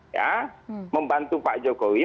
ya membantu pak jokowi